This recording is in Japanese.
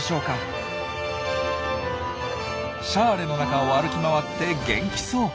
シャーレの中を歩き回って元気そう。